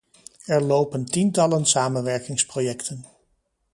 Er lopen tientallen samenwerkingsprojecten.